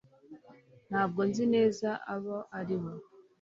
ntabwo nzi neza abo ari bo